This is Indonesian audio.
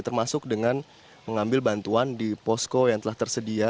termasuk dengan mengambil bantuan di posko yang telah tersedia